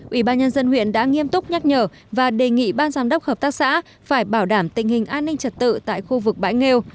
ủy ban nhân dân huyện đã nghiêm túc nhắc nhở và đề nghị ban giám đốc hợp tác xã phải bảo đảm tình hình an ninh trật tự tại khu vực bãi nghêu